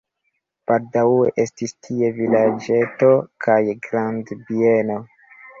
Baldaŭe estis tie vilaĝeto kaj grandbieno.